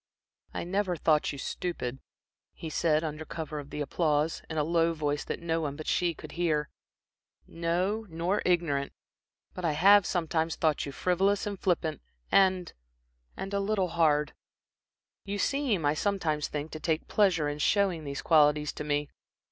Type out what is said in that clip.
"I never thought you stupid," he said, under cover of the applause, in a low voice that no one but she could hear, "no, nor ignorant; but I have sometimes thought you frivolous, and flippant, and and a little hard. You seem, I sometimes think, to take pleasure in showing these qualities to me.